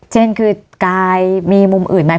เช่นคือกายมีมุมอื่นไหม